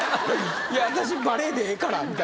いや私バレーでええからみたいなね。